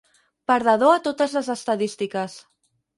Perdedor a totes les estadístiques.